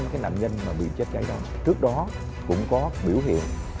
cũng đã bị cháy trơ khung rồi